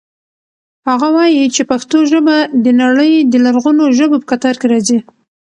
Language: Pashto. هغه وایي چې پښتو ژبه د نړۍ د لرغونو ژبو په کتار کې راځي.